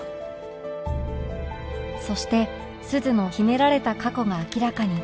そして鈴の秘められた過去が明らかに